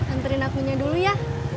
anterin akunya dulu ya